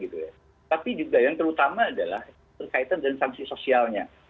tapi juga yang terutama adalah berkaitan dengan sanksi sosialnya